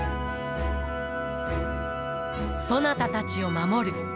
そなたたちを守る。